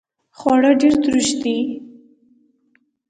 خواړه ډیر تروش دي